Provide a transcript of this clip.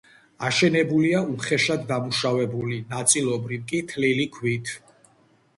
აშენებულია უხეშად დამუშავებული, ნაწილობრივ კი თლილი ქვით.